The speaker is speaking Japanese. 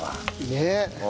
ねえ。